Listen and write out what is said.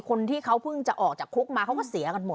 คนที่เขาเพิ่งจะออกจากคุกมาเขาก็เสียกันหมด